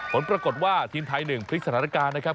ผลปรากฏว่าทีมไทย๑พลิกสถานการณ์นะครับ